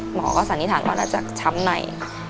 หมอก็สันนิษฐานว่าน่าจะช้ำใน